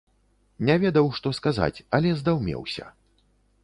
Не ведаў, што сказаць, але здаўмеўся.